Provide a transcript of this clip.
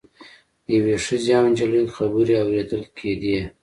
یوې ښځې او نجلۍ خبرې اوریدل کیدې.